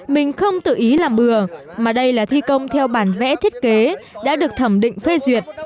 mình không tự ý làm bừa mà đây là thi công theo bản vẽ thiết kế đã được thẩm định phê duyệt